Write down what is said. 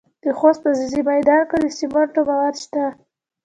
د خوست په ځاځي میدان کې د سمنټو مواد شته.